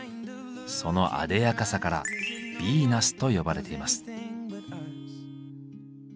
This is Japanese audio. そのあでやかさから「ヴィーナス」と呼ばれています。